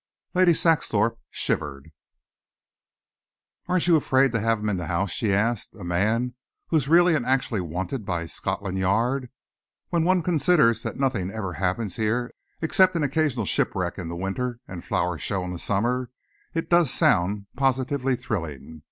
Lady Saxthorpe shivered. "Aren't you afraid to have him in the house?" she asked, "a man who is really and actually wanted by Scotland Yard? When one considers that nothing ever happens here except an occasional shipwreck in the winter and a flower show in the summer, it does sound positively thrilling.